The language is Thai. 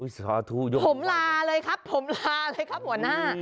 สาธุด้วยผมลาเลยครับผมลาเลยครับหัวหน้า